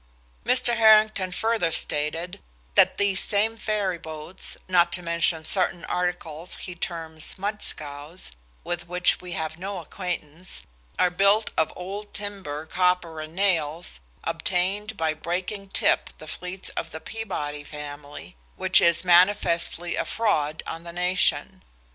Mr. Harrington further stated that these same ferry boats not to mention certain articles he terms 'mudscows,' with which we have no acquaintance are built of old timber, copper, and nails, obtained by breaking tip the fleets of the Peabody family, which is manifestly a fraud on the nation.